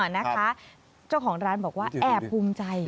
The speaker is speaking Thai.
นะคะเจ้าของร้านบอกว่าแอบภูมิใจ